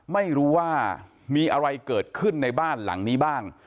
ไม่รู้ว่ามีอะไรเกิดขึ้นในบ้านหลังนี้บ้าง